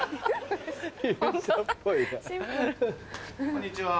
こんにちは。